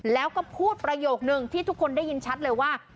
แล้วก็พูดประโยคนึงที่ทุกคนได้ยินชัดเลยว่า